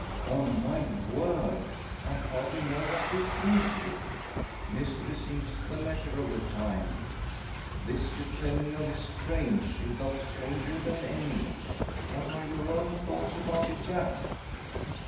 "On my word, I hardly know what to think of it. Mystery seems the measure of the time! This you tell me of is strange if not stranger than any! What are your own thoughts about it, Jack?"